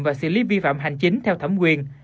và xử lý vi phạm hành chính theo thẩm quyền